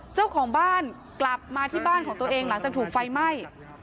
เจ้าของบ้านกลับมาที่บ้านของตัวเองหลังจากถูกไฟไหม้